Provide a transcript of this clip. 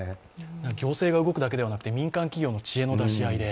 行政が動くのではなくて、民間企業の知恵の出し合いで。